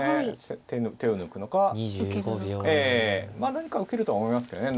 何か受けるとは思いますけどね。